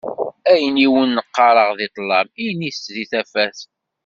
Ayen i wen-qqareɣ di ṭṭlam, init-tt di tafat.